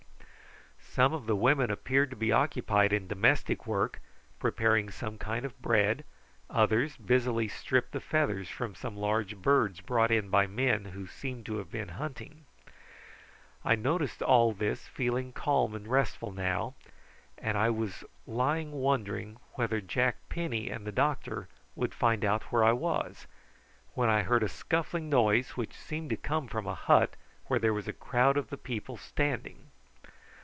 Some of the women appeared to be occupied in domestic work, preparing some kind of bread, others busily stripped the feathers from some large birds brought in by men who seemed to have been hunting. I noticed all this feeling calm and restful now, and I was lying wondering whether Jack Penny and the doctor would find out where I was, when I heard a scuffling noise, which seemed to come from a hut where there was a crowd of the people standing.